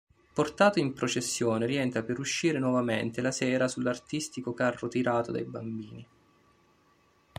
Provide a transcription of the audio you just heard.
Portato in processione rientra per uscire nuovamente la sera sull'artistico carro tirato dai bambini.